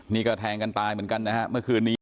นี่ก็แทงกันตายเหมือนกันนะฮะเมื่อคืนนี้